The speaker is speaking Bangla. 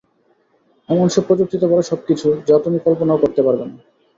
এমন সব প্রযুক্তিতে ভরা সবকিছু, যা তুমি কল্পনাও করতে পারবে না।